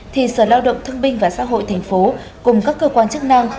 thì sở lao động thương binh và xã hội thành phố cùng các cơ quan chức năng